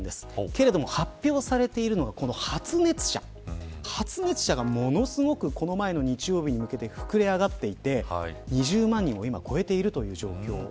けれども発表されているのは発熱者発熱者がものすごく、この前の日曜日に向けて膨れ上がっていて２０万人を今超えている状況。